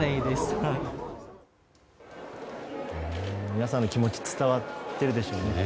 皆さんの気持ち伝わっているでしょうね。